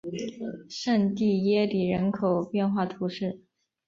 圣蒂耶里人口变化图示